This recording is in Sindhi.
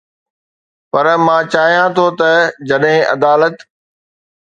پر مان چاهيان ٿو ته جڏهن عدالت